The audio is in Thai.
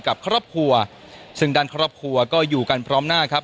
กับครอบครัวซึ่งด้านครอบครัวก็อยู่กันพร้อมหน้าครับ